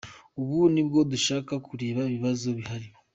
Ubu nibwo dushaka kureba ibibazo bihari.